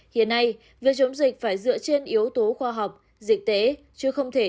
hiện nay việc chống dịch phải dựa trên yếu tố khoa học dịch tế